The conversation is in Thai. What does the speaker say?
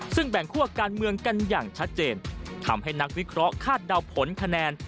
ซึ่งแบ่งคั่วการเมืองกันอย่างชัดเจนทำให้นักวิเคราะห์คาดเดาผลคะแนน